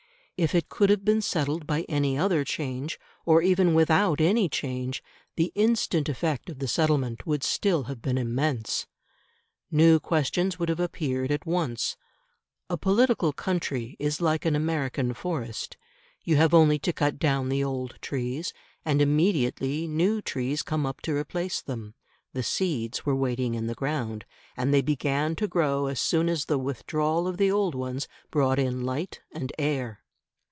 If it could have been settled by any other change, or even without any change, the instant effect of the settlement would still have been immense. New questions would have appeared at once. A political country is like an American forest; you have only to cut down the old trees, and immediately new trees come up to replace them; the seeds were waiting in the ground, and they began to grow as soon as the withdrawal of the old ones brought in light and air.